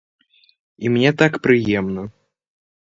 І мне так прыемна.